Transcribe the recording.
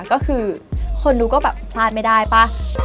ก็คือคนรู้ก็แบบพลาดไม่ได้ป่ะ